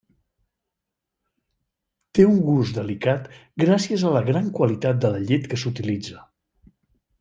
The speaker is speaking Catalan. Té un gust delicat gràcies a la gran qualitat de la llet que s'utilitza.